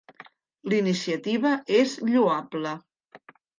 La iniciativa és lloable.